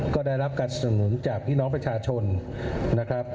ก็ได้รับการสนุนจากพี่น้องประชาชนนะครับ